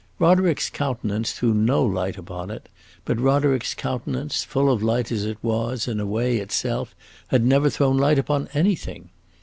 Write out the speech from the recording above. Roderick's countenance threw no light upon it; but Roderick's countenance, full of light as it was, in a way, itself, had never thrown light upon anything.